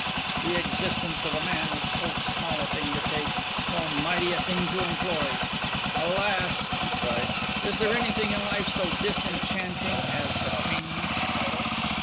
The existence of a man is so small a thing to take, so mighty a thing to employ! Alas!" he cried, "is there anything in life so disenchanting as attainment?"